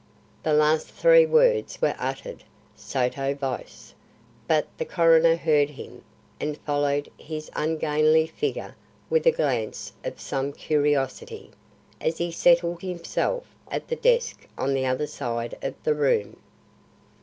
The last three words were uttered sotto voce, but the coroner heard him, and followed his ungainly figure with a glance of some curiosity, as he settled himself at the desk on the other side of the room.